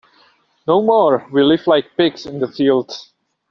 No more we live like pigs in the field.